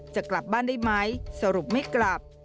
จะกลับบ้านได้ไหมสรุปไม่กลับ